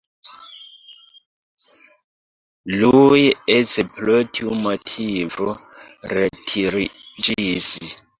Iuj eĉ pro tiu motivo retiriĝis.